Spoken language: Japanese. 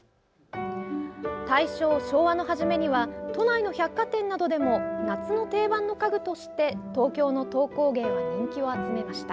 大正、昭和の初めには都内の百貨店などでも夏の定番の家具として東京の籐工芸は人気を集めました。